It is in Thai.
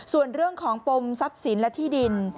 ส่วนเรื่องของปมทรัพย์สินและที่ดิน